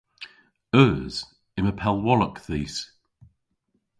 Eus. Yma pellwolok dhis.